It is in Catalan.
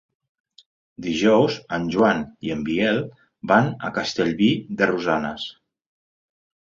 Dijous en Joan i en Biel van a Castellví de Rosanes.